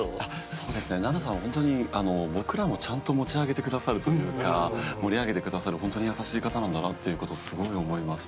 そうですね奈々さんは本当に僕らをちゃんと持ち上げてくださるというか盛り上げてくださる本当に優しい方なんだなっていう事をすごい思いました。